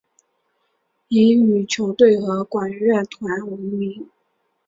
以羽球队和管乐团闻名。